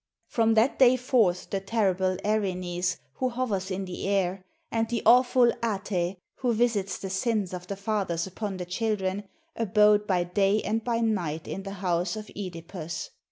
From that day forth the terrible Erinys who ho^^ers in the air, and the awful Ate, who visits the sins of the fathers upon the children, abode by day and by night in the house of (Edipus.